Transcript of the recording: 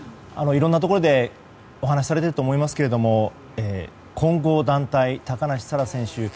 いろんなところでお話しされていると思いますが混合団体高梨沙羅選手